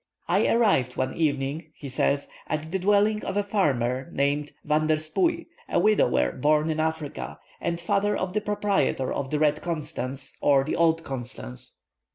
"I arrived one evening," he says, "at the dwelling of a farmer named Van der Spooei, a widower, born in Africa, and father of the proprietor of the Red Constance, or the Old Constance.